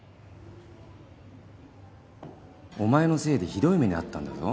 お前のせいでひどい目に遭ったんだぞ。